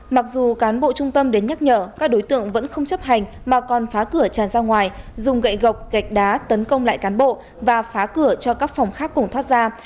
mặc dù cán bộ trung tâm đến nhắc nhở các đối tượng vẫn không chấp hành mà còn phá cửa tràn ra ngoài dùng gậy gộc gạch đá tấn công lại cán bộ và phá cửa cho các phòng khác cùng thoát ra